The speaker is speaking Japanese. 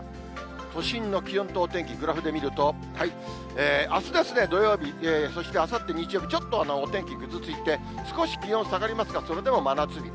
都心の気温とお天気、グラフで見ると、あすですね、土曜日、そしてあさって日曜日、ちょっとお天気ぐずついて、少し気温下がりますが、それでも真夏日。